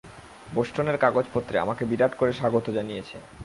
বষ্টনের কাগজপত্রে আমাকে বিরাট করে স্বাগত জানিয়েছে।